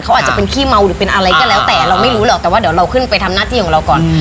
เขาอาจจะเป็นขี้เมาหรือเป็นอะไรก็แล้วแต่เราไม่รู้หรอกแต่ว่าเดี๋ยวเราขึ้นไปทำหน้าที่ของเราก่อน